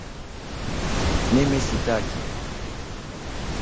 mimi sitaki